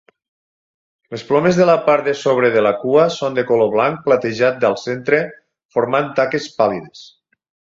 Les plomes de la part de sobre de la cua són de color blanc platejat al centre, formant taques pàl·lides.